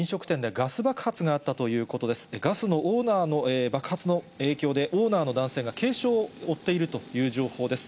ガスの爆発の影響で、オーナーの男性が軽傷を負っているという情報です。